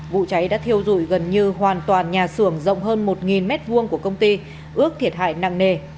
vụ cháy đã thiêu dụi gần như hoàn toàn nhà xưởng rộng hơn một m hai của công ty ước thiệt hại nặng nề